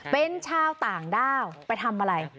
เป็นชาวต่างด้าวไปทำอะไร